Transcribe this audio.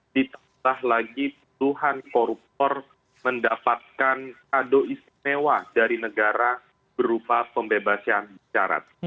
ditambah lagi puluhan koruptor mendapatkan kado istimewa dari negara berupa pembebasan syarat